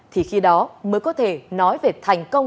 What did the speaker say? thì khi đó mới có thể nói về thành công